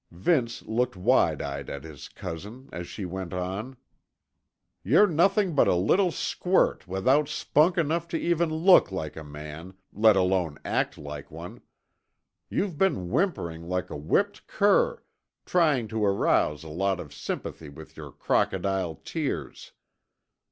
Vince looked wide eyed at his cousin as she went on. "You're nothing but a little squirt without spunk enough to even look like a man, let alone act like one. You've been whimpering like a whipped cur, trying to arouse a lot of sympathy with your crocodile tears.